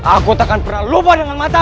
aku tak akan pernah lupa dengan mata